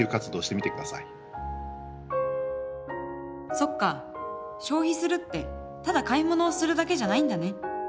そっか消費するってただ買い物をするだけじゃないんだね。